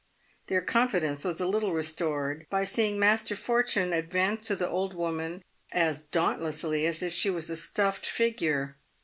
Their confidence was a little restored by seeing Master Fortune advance to the old woman as dauntlessly as if she was a stuffed figure.